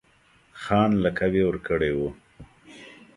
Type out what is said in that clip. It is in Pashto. خان لقب یې ورکړی وو.